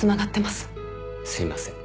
はいすいません。